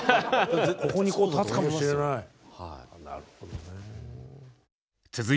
ここに立つかもしれない。